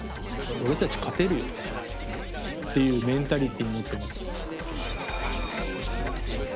俺たち勝てるよっていうメンタリティー持ってます。